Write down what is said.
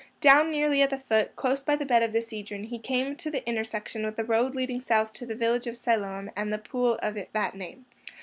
Down nearly at the foot, close by the bed of the Cedron, he came to the intersection with the road leading south to the village of Siloam and the pool of that name.